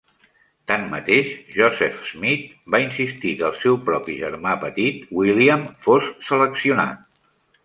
Tanmateix, Joseph Smith va insistir que el seu propi germà petit, William, fos seleccionat.